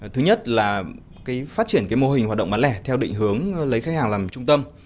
thứ nhất là phát triển mô hình hoạt động bán lẻ theo định hướng lấy khách hàng làm trung tâm